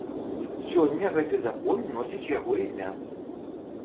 Сёння гэты закон носіць яго імя.